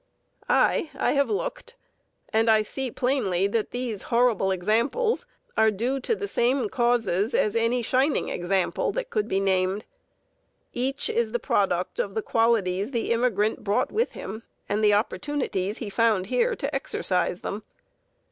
Aye, I have looked, and I see plainly that these horrible examples are due to the same causes as any shining example that could be named. Each is the product of the qualities the immigrant brought with him and the opportunities he found here to exercise them.